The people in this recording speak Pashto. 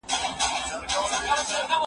چي د چا پر سر كښېني دوى يې پاچا كي